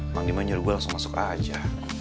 bang diman nyuruh gue langsung masuk aja